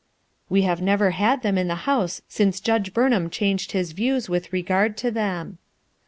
"We have never had them in the house since Judge Burnham changed his views with regard to them."